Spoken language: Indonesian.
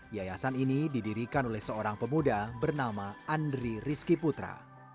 yayasan ini didirikan oleh seorang pemuda bernama andri rizki putra